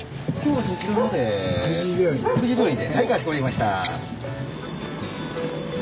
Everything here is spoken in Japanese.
はいかしこまりました。